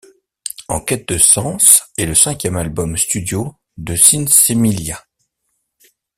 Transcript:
En quête de sens est le cinquième album studio de Sinsemilia.